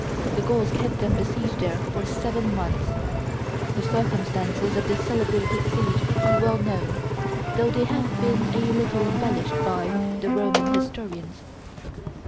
The Gauls kept them besieged there for seven months. The circumstances of this celebrated siege are well known, though they have been a little embellished by the Roman historians.